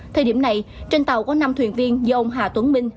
thời điểm này trên tàu có năm thuyền viên do ông hà tuấn minh